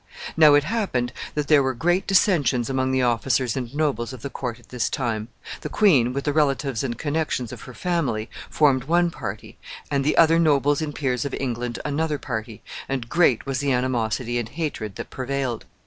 Now it happened that there were great dissensions among the officers and nobles of the court at this time. The queen, with the relatives and connections of her family, formed one party, and the other nobles and peers of England another party, and great was the animosity and hatred that prevailed.